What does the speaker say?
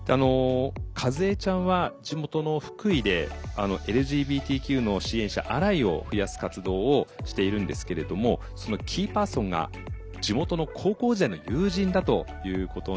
かずえちゃんは地元の福井でＬＧＢＴＱの支援者アライを増やす活動をしているんですけれどもそのキーパーソンが地元の高校時代の友人だということなんです。